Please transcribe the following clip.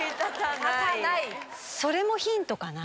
それもヒントかな？